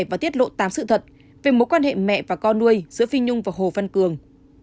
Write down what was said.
và tiết lộ tám sự thật về mối quan hệ mẹ và con nuôi giữa phi nhung và hồ văn cường